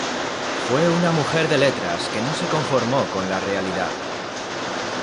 Fue una mujer de letras que no se conformó con la realidad.